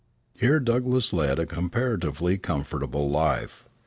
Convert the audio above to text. Here Douglass led a comparatively comfortable life.